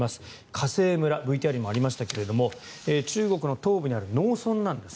華西村、ＶＴＲにもありましたが中国の東部にある農村なんです。